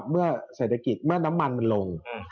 เมื่อในน้ำมันลง